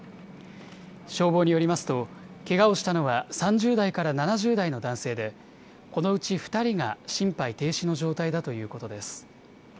消防によりますとけがをしたのは３０代から７０代の男性でこのうち２人が心肺停止の状態だということです。